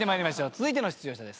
続いての出場者です。